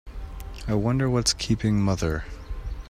I wonder what's keeping mother?